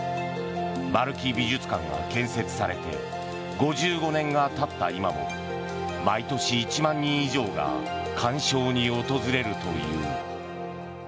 丸木美術館が建設されて５５年が経った今も毎年１万人以上が鑑賞に訪れるという。